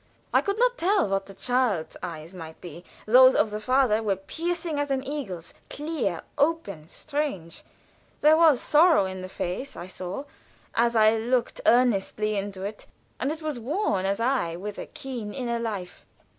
I could not tell what the child's eyes might be those of the father were piercing as an eagle's; clear, open, strange. There was sorrow in the face, I saw, as I looked so earnestly into it; and it was worn as if with a keen inner life.